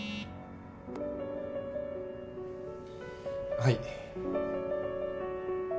はい。